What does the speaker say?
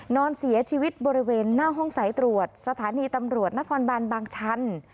นอนเสียชีวิตบริเวณหน้าห้องสายตรวจสถานีตำรวจนครบานบางชัน